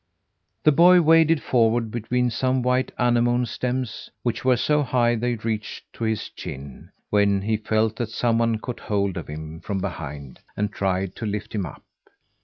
The boy waded forward between some white anemone stems which were so high they reached to his chin when he felt that someone caught hold of him from behind, and tried to lift him up.